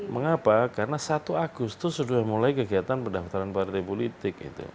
mengapa karena satu agustus sudah mulai kegiatan pendaftaran partai politik